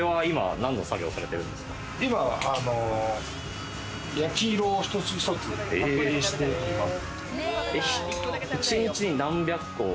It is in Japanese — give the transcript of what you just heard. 今は焼き色を１つ１つ確認しています。